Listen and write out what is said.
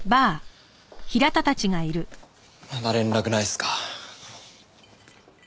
まだ連絡ないっすか？